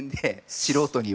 素人には。